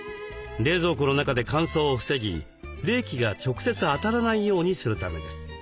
冷蔵庫の中で乾燥を防ぎ冷気が直接当たらないようにするためです。